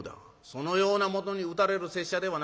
そのような者に討たれる拙者ではないわ。